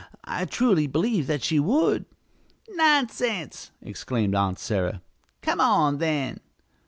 I truly believe that she would!" "Nonsense!" exclaimed Aunt Sarah. "Come on, then!"